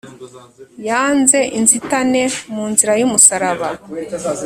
Yanze inzitane mu nzira y'umusaraba